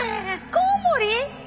コウモリ？